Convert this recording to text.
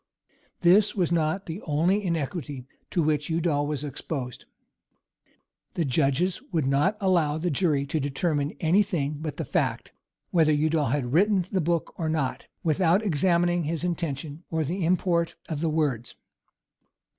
This was not the only iniquity to which Udal was exposed. The judges would not allow the jury to determine any thing but the fact, whether Udal had written the book or not, without examining his intention, or the import of the words.